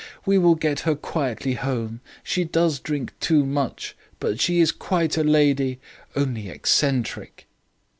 We will get her quietly home. She does drink too much, but she is quite a lady only eccentric.'